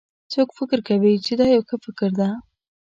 څوک فکر کوي چې دا یو ښه فکر ده